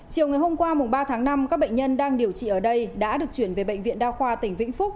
chiều ngày hôm qua ba tháng năm các bệnh nhân đang điều trị ở đây đã được chuyển về bệnh viện đa khoa tỉnh vĩnh phúc